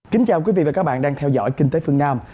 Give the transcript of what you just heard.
kính chào quý vị và các bạn đang theo dõi kinh tế phương nam